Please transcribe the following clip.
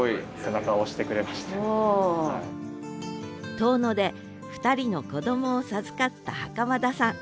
遠野で２人の子どもを授かった袴田さん。